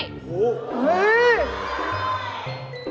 โอ้โฮเฮ่ย